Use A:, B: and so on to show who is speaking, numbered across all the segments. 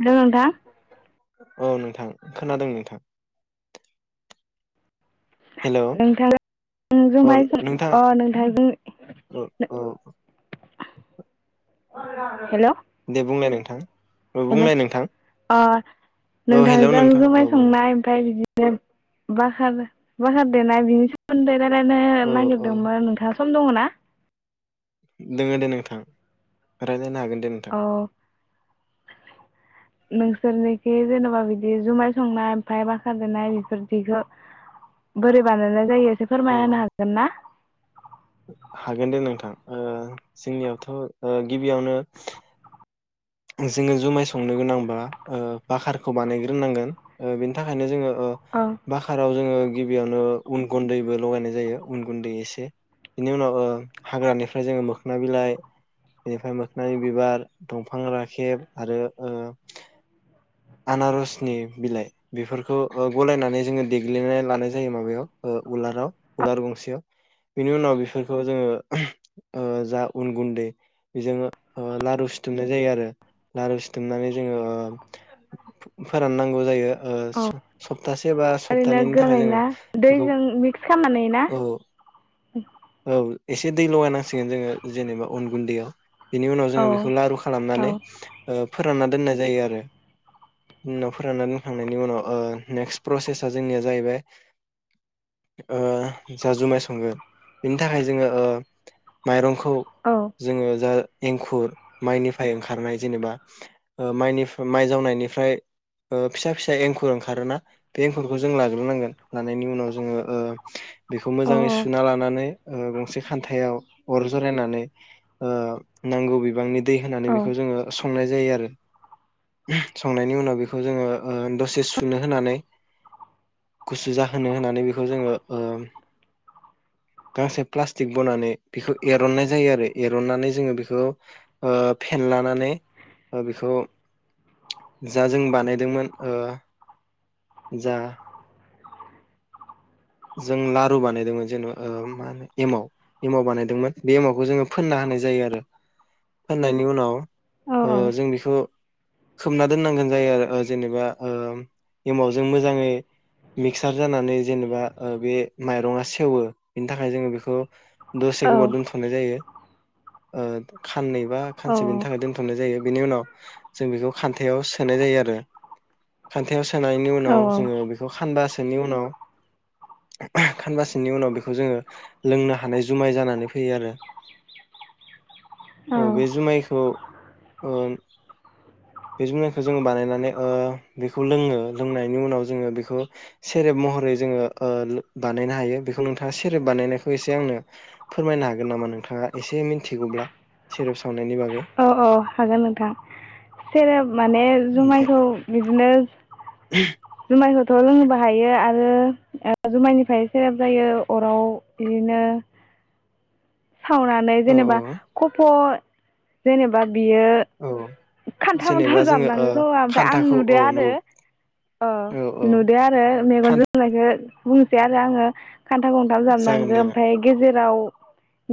A: Hello नोंथां
B: औ नोंथां खोनादों नोंथां हेल'
A: नोंथांजोंहाय अ नोंथांजों
B: औ औ
A: हेलौ
B: दे बुंलाय नोंथां औ
A: हेल'
B: बुंलाय नोंथां
A: अ
B: औ हेल'
A: नोंथांजों
B: नोंथां औ
A: जुमाय
B: बुं
A: संनाय ओमफ्राय बिदि दे बाखर बाखार देनाय बेनि सोमोन्दै रायलाइनो
B: औ औ
A: नागिरदोंमोन नोंथां सम दङ ना?
B: दं दे नोंथां रायज्लाइनो हागोन। दे नोंथां
A: औ नोंसोरनोखै जेन'बा बिदि जुमाय संनाय ओमफ्राय बाखार देनाय बेफोरबायदिखौ बोरै बानायनाइ जायो। एसे
B: औ
A: फोरमायना होनो हागोन ना?
B: हागोन दे नोंथां ओ जोंनियावथ' गिबियावनो जोङो जुमाय संनो गोनांबा ओ बाखारखौ बानायग्रो नांगोन ओ बेनि थाखायनो जोङो ओ
A: औ
B: बाखाराव जोङो गिबियावनो उन गुन्दैबो लगायनाय जायो उन गुन्दै एसे बेनि ओ उनाव हाग्रानिफ्राय जोङो मोखोना बिलाइ बेनिफ्राय मोखोननि बिबार दंफां राखेब दफां राखेब आरो ओ आनारसनि बिलाइ बेफोरखौ गलायनानै जोङो देग्लिनानै लानाय जायो माबायाव ओ उलाराव उलार गंसेयाव बेनि उनाव बेफोरखौ जोङो ओ जा उन गुन्दै बेजों ओ लारु सिथमो सिुथुमनाय जायो आरो लारु सिुथुमनानै जोङो फोराननांगौ जायो। ओ
A: औ
B: सप्तासे बा
A: ओरैनो
B: सप्तानैनि थाखाय जोङो बेखौ
A: खालामानानै ना।
B: औ
A: [inaudible]
B: औ एसे दै लगाय नांसिगोन जोङो जेनेबा अन गुन्दैयाव बिनि उनाव
A: औ
B: जोङो बेखौ लारु
A: औ
B: खालामनानै ओ फो फोरानना दोननाय जायो आरो बि उनाव फोरानना दोनखांनायनि उनाव ओ नेक्स्ट प्रसेस जोंनिया जाहैबाय ओ जा जुमाय संगोन बिनि थाखाय जोङो ओ माइरंखौ खौ
A: औ
B: जोङो जा एंखुर माइनिफ्राय ओंखारनाय जेनेबा माइनि माइ जावनायनिफ्राय फिसा फिसा एंखुर ओंखारोना बे एंखुरखौ जों लाग्रोनांगोन लानायनि उनाव जोङो ओ बेखौ
A: औ
B: मोजाङै सुना लानानै ओ गंसे खान्थायाव अर जरायनानै ओ नांगौ बिबांनि दै होनानै बेखौ जोङो स संनाय जायो आरो संनायनि उनाव बेखौ जोङो ओ दसे सुनो होनानै गुसु जाहोनो होनानै बेखौ जोङो ओ गांसे प्लास्टिक बनानै बेखौ एरननाय जायो आरो एरननानै जोङो बेखौ ओ फेनलानानै ओ बेखौ जा जों बानायदोंमोन ओ जा जों लारु बानायदोंमोन जेन'बा मा होनो एमाव एमाव बानायदोंमोन बे एमावखौ जोङो फोनना होनाय जायो आरो फोननायनि उनाव
A: औ
B: ओ
A: औ
B: जों बेखौ खोबना दोननांगोन जायो आरो ओ जेनेबा ओम एमावजों मोजाङै मिक्सार जानानै जेनेबा बे माइरङा सेवो बेनि थाखाय जोङो बेखौ दसे
A: औ
B: गोबाव दोनथ'नाय जायो‌। ओ खा खाननै बा
A: औ
B: खानसे बिनि थाखाय दोनथ'नाय जायो बेनि उनाव जों बेखौ खान्थायाव सोनाय जायो आरो खान्थायाव सोनायनि उनाव जोङो बेखौ खानबा सो बिनि उनाव खानबासोनि उनाव बेखौ जोङो लोंनो हानाय जुमाय जानानै फैयो आरो। औ बे जुमायखौ ओ बे जुमायखौ जोङो बानायनानै ओ बेखौ लोङो लोंनायनि उनाव जोङो बेखौ सेरेब महरै जोङो ओ लो बानायनो हायो बेखौ नोंथाङा सेरेप बानायनायखौ एसे आंनो फोरमायनो हागोन नामा नोंथाङा एसे मिथिगौब्ला सेरेप साव
A: औ औ हागोन नोंथां सेरेप माने
B: दे
A: जुमायखौ बिदिनो
B: [inaudible]
A: जुमायखौथ' लोंनोबो हायो आरो ओ जुमायनिफ्राय सेरेप जायो अराव बिदिनो सावनानै
B: औ
A: जेनेबा खफ' जेनेबा बियो
B: औ
A: खान्था
B: जेनेबा
A: मोनथाम
B: जोङो ओ
A: जाबनांगौ खोमा ओमफ्राय आं
B: खान्थाखौ औ
A: नुदो
B: नौ
A: आरो। अ
B: औ औ
A: नुदो आरो
B: खान
A: मेगनजों [unintelligible] खो बुंनोसै आरो आङो खान्था गंथाम
B: जागोन दे
A: जाबनांगो
B: जागोन
A: ओमफ्राय गेजेराव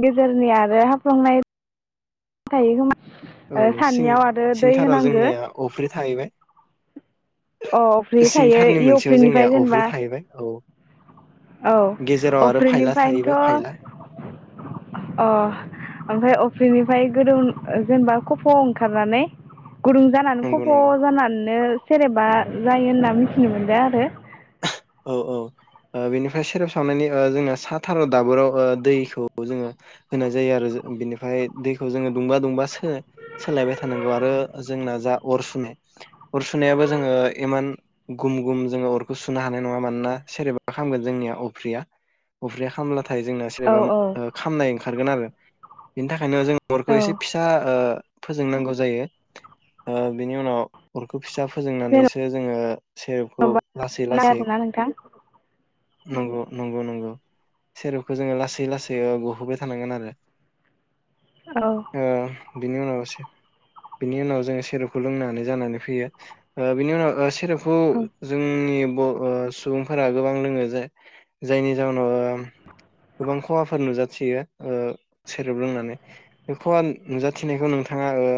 A: गेजेरनिया आरो हाबफ्लंनाय थायो खोमा
B: औ
A: सानियाव आरो दै
B: सिंथाराव
A: होनांगो
B: जोंनिया अफ्रि थाहैबाय।
A: अ अफ्रि थायो
B: सिंथारनि
A: इ
B: मोनसेयाव जोंनिया
A: अफ्रिनिफ्राय
B: अफ्रि
A: जेनेबा
B: थाहैबाय औ
A: औ
B: गेजेराव आरो फायला थाहैबाय फायला
A: अफ्रिनिफ्रायनोथ' अ ओमफ्राय अ फ्रिनिफ्राय गोदौ जेनेबा खफ' ओंखारनानै गुदुं जानानै
B: नंगौ
A: खब'
B: नंगौ
A: जानानैनो सेरेबा जायो होनना मिथिनो मोनदों आरो।
B: औ औ बेनिफ्राय सेरेब सावनायनि ओ जोंना सा थाराव दाबोराव ओ दैखौ जोङो होनाय जायो आरो बेनिफ्राय दैखौ जोङो दुंबा दुंबा सोलायबाय थानांगौ आरो जोंना जा अर सुनाय अर सुनायाबो जोङो इमान गुम गुम जोङो अरखौ सुना नाय नंङा मानोना सेरेपा खारगोन जोंनिया अफ्रिया अफ्रिया खामब्ला थाय थाय जोंना
A: औ
B: सोरेबा
A: औ
B: ओ खामनाय ओंखारगोन आरो। इनि था खायनो जों अरखौ
A: औ
B: एसे फिसा ओ फोजोंनांगौ जायो ओ बेनि ओ उनाव अरखौ फिसा फोजोंनानैसो जोङो सेरेबखौ
A: जेन'बा
B: लासै लासै
A: आरोना नोंथां
B: नंगौ नंगौ नंगौ सेरबखौ जोङो लासै लासै गहोबाय थानांगोन आरो।
A: औ।
B: ओ बिनि उनाव से बिनि उनाव जोङो सेरपखौ लोंनानै जानानै फैयो ओ बिनि उनाव ओ से सेरेबखौ
A: औ
B: जोंनि ब ओ सुबुंफोरा गोबां लोङो जे जायनि जााहनाव गोबां खहाफोर नुजाथियो ओ सेरेब लोंनानै बे खहा नुजाथिनायखौ नोंथाङा ओ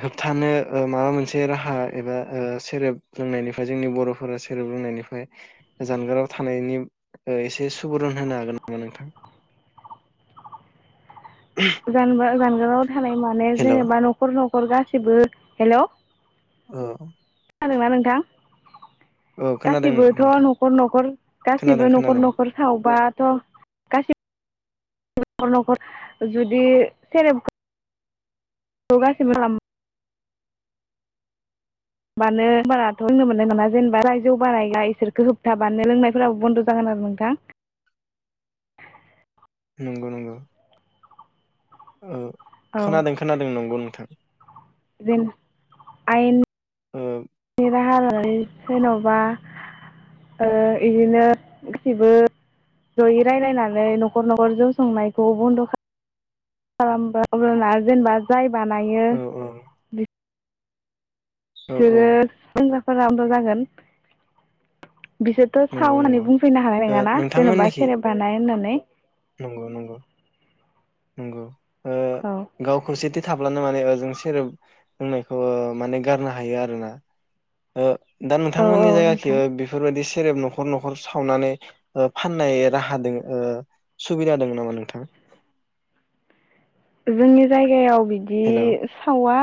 B: होबथानो ओ माबा मोनसे राहा एबा सेरेब लोंनायनिफ्राय जोंनि बर'फोरा सेरेब लोंनायनिफ्राय जानगाराव थानायनि एसे सुबुरुन होनो हागोन नामा नोंथां।
A: गानबा गान। [unintelligible] थाबाय माने
B: हेलौ
A: जेनेबा न'खर न हर गासिबो हेलौ।
B: ओ।
A: खोनादोंना नोंथां।
B: खोनादों
A: गासिबोथ
B: नोंथां
A: नखर नखर
B: खोनादों
A: गासिबो नखर
B: खोनादों
A: नखर सावबाथ गासिब नखर नखर जुदि सेरेब। [unintelligible] मानो बाराथ होननो मोननाय नामा जेनेबा [unintelligible] इसोरखो होबथाबानो लोंनायफोराबो बन्द जागोन आरो नोंथां।
B: नंगौ नंगौ। औ खोनादों खोनादों नंगौ नोंथां।
A: जिन आयेन
B: ओ
A: निराहारा। जेनबा ओ इदिनो गासिबो जयै रायलायनानै नखर नखर जौ संनायखौ बन्द खालाम [unintelligible] जेनेबा जाय। बानायो।
B: औ औ औ
A: बिसोरो [unintelligible] [unintelligible] जागोन। बिसोरथ साव
B: नंगौ
A: होननानै
B: नंगौ
A: बुंफैनो हानाय
B: ओ
A: नङाना जेन'बा
B: नोंथांमोननिखि
A: सेरेब बानाय होननानै। औ [inaudible]
B: नंगौ नंगौ नंगौ। ओ
A: औ
B: गाव खौसेथि था अब्लानो माने ओ ज सेरेब लोंनायखौ माने गारनो हायो आरोना। ओ दा
A: औ
B: नोंथांमोननि जायगाखि
A: नोंथां
B: बेफोरबायदि सेरेब नखर नखर सावनानै फाननाय राहा दों ओ सुबिदा दं नामा नोंथां?
A: जोंनि जायगायाव बिदि
B: हेलौ
A: सावा।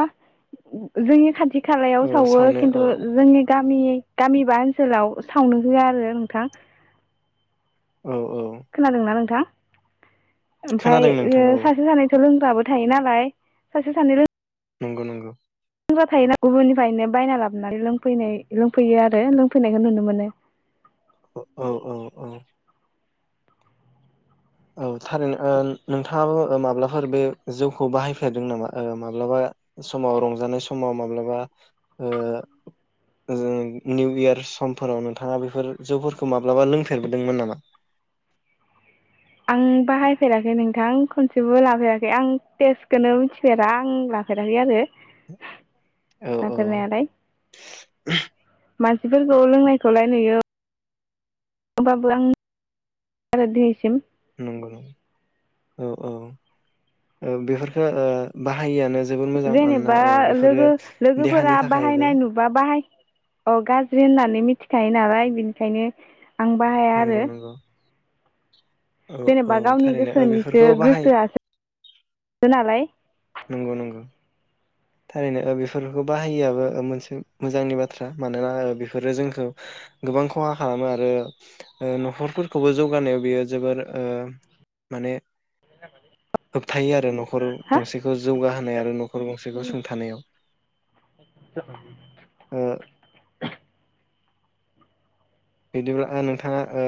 A: जोंनि खाथि खालायाव
B: औ
A: सावो
B: सावनो औ
A: खिन्थु जोंनि गामि गामि बा ओनसोलाव सावनो होआ आरो नोंथां।
B: औ औ
A: खोनादोंना नोंथां? ओमफ्राय
B: खोनादों
A: ओ
B: नोंथां औ
A: सासे सानैथ' लों ग्राबो थायो नालाय सासे सानै लों
B: नोंगौ नोंगौ।
A: [unintelligible] थायोना गुबुननिफ्रायनो बायना लाबोनानै लोंफैनाय लोंफैयो आरो लोंफैनायखौ नुनो मोनो।
B: औ औ औ। औ थारैनो ओ नोंथाङाबो माब्लाफोर बे जौखौ बाहायफेरदों नामा ओ माब्लाबा समाव रंजानाय समाव माब्लाबा ओ ओ निउ इयार समफोराव नोंथाङा बेफोर जौफोरखौ माब्लाबा लोंफेरबोदोंमोन नामा?
A: आं बाहायफेराखै नोंथां खनसेबो लाफेराखै आं टेस्टखौनो मिथिफेरा आं लाफेराखै आरो
B: औ औ
A: लाफेरनायालाय। मानसिफोरखौ लोंनायखौलाय नुयो। होमबाबो आं [unintelligible] आरो दिनैसिम
B: नंगौ औ औ औ बेफोरखो ओ बाहायियानो
A: जेनेबा लोगो
B: देहानि
A: लोगोफोरा
B: थाखायबो
A: बाहायनाय नुबा बाहाय औ गाज्रि होननानै मिथिखायो नालाय बिनिखायनो आं बाहाया
B: नंगौ
A: आरो।
B: नंगौ औ औ
A: जेनेबा गावनि
B: थारैनो ओ
A: गोसोनिसो
B: बेफोरखौ बाहाय
A: गोसोआसो [unintelligible] नालाय।
B: नंगौ नंगौ। थारैनो ओ बेफोरखौ बाहायिआबो मोनसे मोजांनि बाथ्रा मानोना बेफोरो जोंखो गोबां खहा खालामो आरो ओ न'खरफोरखौबो जौगानायाव बियो जोबोर ओ माने होबथायो आरो न'खर
A: हा
B: गंसेखौ जौगाहोनाय आरो न'खर गंसेखौ
A: हेल'
B: थानायाव ओ बिदिब्ला नोंथाङा ओ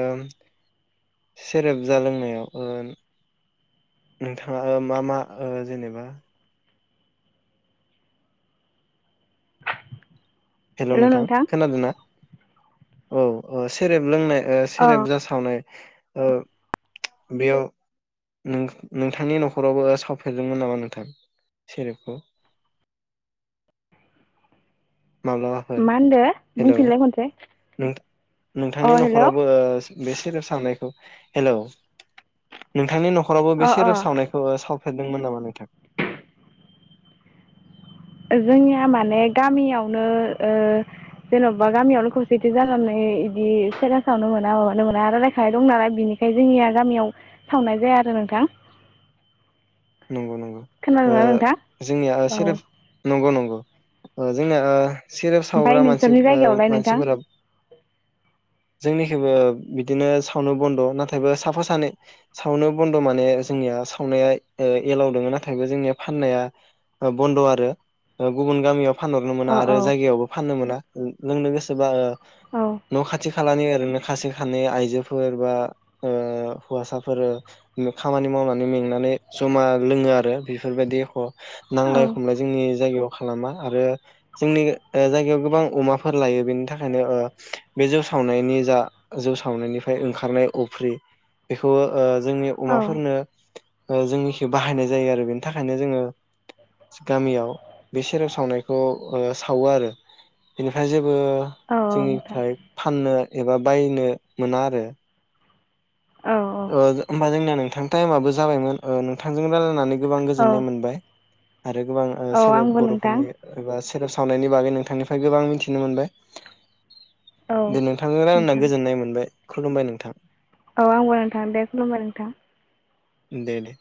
B: सेरेब जा लोंनायाव ओ नोंथाङा ओ मा मा ओ जेनेबा हेलौ नोंथां खोनादोंना? औ औ सेरेब लोंनाय ओ
A: अ
B: सेरेब जा सावनाय ओ बेयाव नो नोंथांनि न'खरावबो सावफेरदोंमोन नामा नोंथां सेरेपखौ? माब्लाबाफोर।
A: मा होनदो
B: हेलौ
A: बुंफिनलाय खनसे
B: नोंथ
A: अ
B: नोंथांनि
A: हेल'
B: न'खरावबो ओ बे सेरेब सावनायखौ, हेलौ नोंथांनि नख न'खरावबो
A: अ
B: बे
A: अ
B: सेरेब सावनायखौ साव फेरदोंमोन नामा नोंथां?
A: जोंनिया माने गामियावनो ओ जेन'बा गामियावनो खौसेथि जानानै बिदि सेरेब सावनो मोना माबानो मोना रायलायखानाय दं नालाय बिनिखायनो जोंनिया गामियाव सावनाय जाया आरो नोंथां।
B: नंगौ नंगौ ओ
A: खोनादोंना नोंथां
B: जोंनिया
A: औ
B: सेरेब नंगौ नंगौ। ओ जोंना ओ सेरेब
A: ओमफ्राय
B: सावग्रा मानसि
A: नोंसोरनि
B: ओ
A: जायगायावलाय नोंथां
B: मानसिफोरा जोंनिखैबो बिदिनो सावनो बन्द' नाथायबो साफा सानै सावनो बन्द' माने जोंनिया सावनाया ओ एलाव दोङो नाथायबो जोंनिया फाननाया बन्द' आरो गुबुन ओ गामियाव फानहरनो मोना
A: अ औ
B: आरो जायगायावबो फाननो मोना। लोंनो गोसोबा ओ
A: औ
B: न' खाथि खालानि ओरनो खासे खानै आइजोफोर ओ बा हौवासाफोर खामानि मावनानै मेंनानै जमा लोङो आरो बेफोरबायदि एख
A: औ
B: नांलाय खमलाय जोंनि जायगायाव खालामा आरो जोंनि ओ जायगायाव गोबां अमाफोर लायो बेनि थाखायनो ओ बे जौ सावनायनि जा जौ सावनायनिफ्राय ओंखारनाय अफ्रि बेखौ ओ जोंनि
A: औ
B: अमाफोरनो ओ जोंनिखि बाहायनाय जायो आरो बेनि थाखायनो जोङो गामियाव बे सेरेब सावनायखौ ओ सावो आरो बेनिफ्राय जे बो
A: औ नोंथां
B: जोंनिफ्राय फाननो। एबा बायनो मोना आरो।
A: औ औ
B: ओ जो आमफाय जोंनिया नों थां टाइमाबो जाबायमोन ओ नोंथांजों रायलायनानै गोबां गोजोननाय
A: औ
B: मोनबाय आरो गोबां ओ
A: औ
B: सेरेब
A: आंबो
B: बर'
A: नोंथां
B: फोरनि एबा सेरेब सावनायनि बागै नोंथांनिफ्राय गोबां मिथिनो मोनबाय।
A: औ
B: दे नोंथांनो रायलायना
A: नोंथां
B: गोजोननाय मोनबाय। खुलुमबाय नोंथां।
A: औ आंबो नोंथां दे खुलुमबाय नोंथां।
B: दे दे।